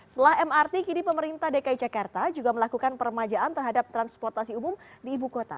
setelah mrt kini pemerintah dki jakarta juga melakukan peremajaan terhadap transportasi umum di ibu kota